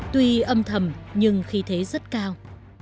tuy âm thầm nhưng khí thế rất cao